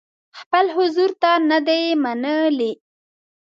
خپل حضور ته نه دي منلي.